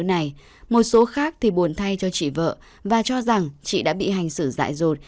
này một số khác thì buồn thay cho chị vợ và cho rằng chị đã bị hành xử dại dột